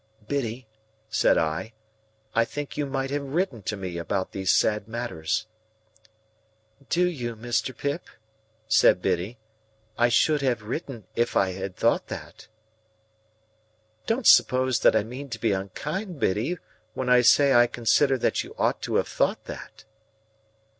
"Biddy," said I, "I think you might have written to me about these sad matters." "Do you, Mr. Pip?" said Biddy. "I should have written if I had thought that." "Don't suppose that I mean to be unkind, Biddy, when I say I consider that you ought to have thought that."